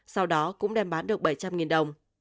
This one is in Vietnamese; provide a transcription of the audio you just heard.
sau đó cũng đem bán được bảy trăm linh đồng